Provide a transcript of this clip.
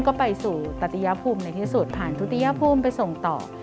ก็ไปสู่ตัตยภูมิในที่สุดผ่านทุติยภูมิไปส่งต่อ